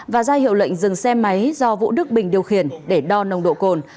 và ra hiệu lệnh dừng xe máy do vũ đức bình điều khiển để đo nồng độ cồn